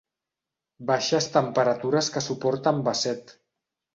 Baixes temperatures que suporta en Basset.